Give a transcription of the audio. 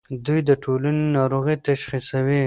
دوی د ټولنې ناروغۍ تشخیصوي.